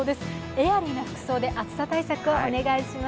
エアリーな服装で暑さ対策をお願いします。